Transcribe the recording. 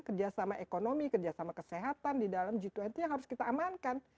kerjasama ekonomi kerjasama kesehatan di dalam g dua puluh yang harus kita amankan